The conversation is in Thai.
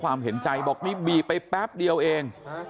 แล้วในความเห็นใจบอกว่านี่บีบไปแป๊บเดียวเอง